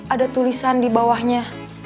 ada tulisan di bawahnya